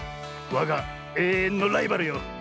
わがえいえんのライバルよ。